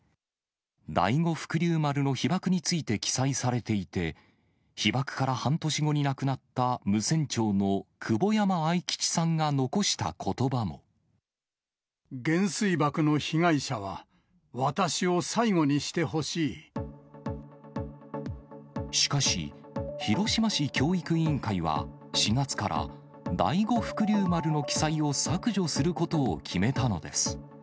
第五福竜丸の被ばくについて記載されていて、被ばくから半年後に亡くなった無線長の久保山愛吉さんが残したこ原水爆の被害者は、私を最後しかし、広島市教育委員会は、４月から、第五福竜丸の記載を削除することを決めたのです。